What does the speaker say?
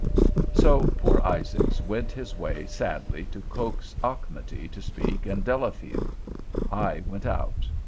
So poor Isaacs went his way, sadly, to coax Auchmuty to speak, and Delafield. I went out.